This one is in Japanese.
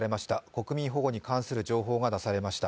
国民保護に関する情報が出されました。